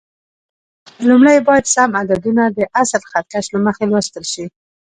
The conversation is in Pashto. لومړی باید سم عددونه د اصلي خط کش له مخې لوستل شي.